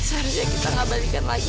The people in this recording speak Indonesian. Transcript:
seharusnya kita gak balikan lagi